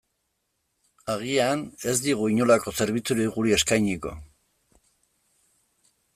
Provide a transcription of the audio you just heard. Agian, ez digu inolako zerbitzurik guri eskainiko.